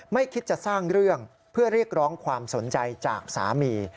คิดจะสร้างเรื่องเพื่อเรียกร้องความสนใจจากสามี